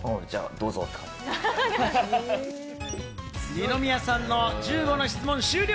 二宮さんの１５の質問を終了！